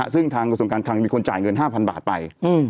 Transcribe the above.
ซึ่งทางกระทรวงการคลังมีคนจ่ายเงิน๕๐๐บาทไป